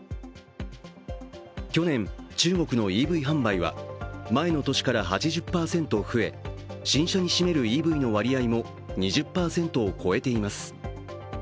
去年、中国のＥＶ販売は前の年から８０％増え、新車に占めるＥＶの割合も２０％を超えています。